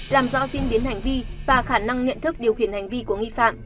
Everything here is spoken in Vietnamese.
làm rõ diễn biến hành vi và khả năng nhận thức điều khiển hành vi của nghi phạm